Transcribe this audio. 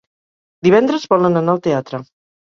Divendres volen anar al teatre.